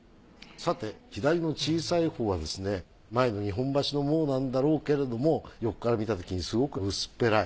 さて左の小さいほうはですね前の日本橋のものなんだろうけれども横から見たときにすごく薄っぺらい。